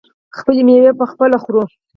خپلې میوې پخپله خورو.